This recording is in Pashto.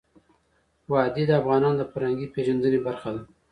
وادي د افغانانو د فرهنګي پیژندنې برخه ده.